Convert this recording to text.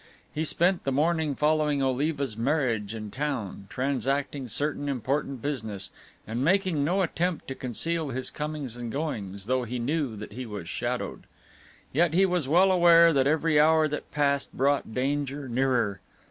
He spent the morning following Oliva's marriage in town, transacting certain important business and making no attempt to conceal his comings and goings, though he knew that he was shadowed. Yet he was well aware that every hour that passed brought danger nearer.